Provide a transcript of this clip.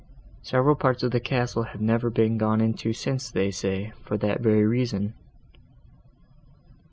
Several parts of the castle have never been gone into since, they say, for that very reason."